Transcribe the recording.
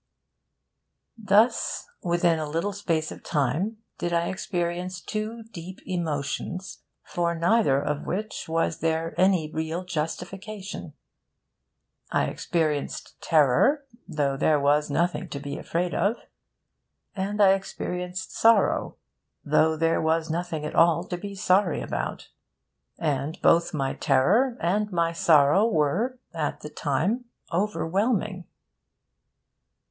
Thus, within a little space of time, did I experience two deep emotions, for neither of which was there any real justification. I experienced terror, though there was nothing to be afraid of, and I experienced sorrow, though there was nothing at all to be sorry about. And both my terror and my sorrow were, at the time, overwhelming.